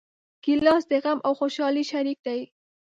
ګیلاس د غم او خوشحالۍ شریک دی.